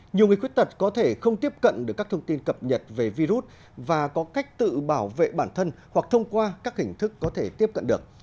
nhiều người khuyết tật có thể không tiếp cận được các thông tin cập nhật về virus và có cách tự bảo vệ bản thân hoặc thông qua các hình thức có thể tiếp cận được